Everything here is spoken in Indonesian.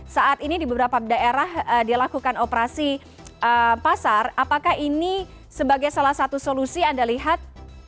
saat ini di beberapa daerah dilakukan operasi pasar apakah ini sebagai salah satu solusi anda lihat